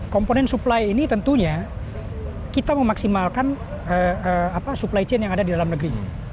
komponen supply ini tentunya kita memaksimalkan supply chain yang ada di dalam negeri ini